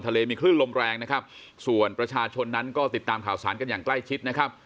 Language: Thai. ทะเลมีคลื่นลมแรงนะครับส่วนประชาชนนั้นก็ติดตามข่าวสารกันอย่างใกล้ชิดนะครับ